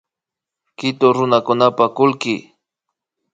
Kitu runakunapa kullki